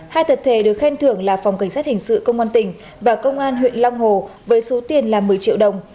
hai tập thể được khen thưởng là phòng cảnh sát hình sự công an tỉnh và công an huyện long hồ với số tiền là một mươi triệu đồng